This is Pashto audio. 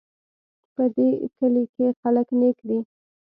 په دې کلي کې خلک نیک دي